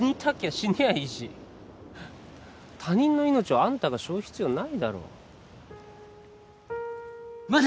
死にゃいいし他人の命をあんたが背負う必要ないだろまだ